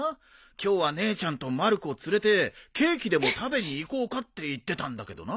今日は姉ちゃんとまる子を連れてケーキでも食べに行こうかって言ってたんだけどな。